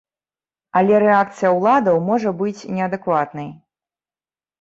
Але рэакцыя ўладаў можа быць неадэкватнай.